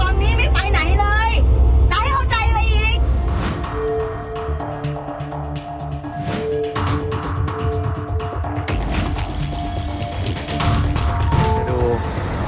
ตอนนี้ไม่ไปไหนเลยจะให้เอาใจอะไรอีก